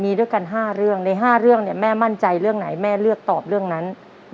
มีด้วยกัน๕เรื่องใน๕เรื่องแม่มั่นใจและแม่ตอบเรื่องนั้น